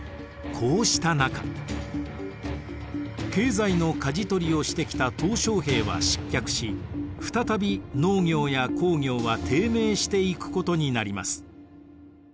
こうした中経済のかじ取りをしてきた小平は失脚し再び農業や工業は低迷していくことになります。